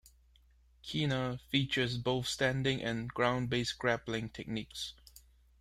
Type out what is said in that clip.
Qinna features both standing and ground-based grappling techniques.